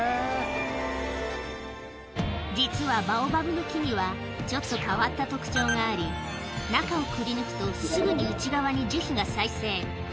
実はバオバブの木にはちょっと変わった特徴があり中をくりぬくとすぐに内側に樹皮が再生